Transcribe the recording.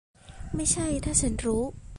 ไม่ใช่ถ้าฉันรู้ !